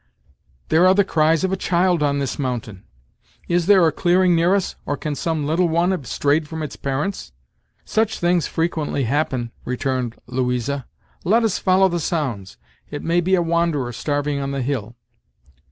there are the cries of a child on this mountain! Is there a clearing near us, or can some little one have strayed from its parents?" "Such things frequently happen," returned Louisa. "Let us follow the sounds; it may be a wanderer starving on the hill."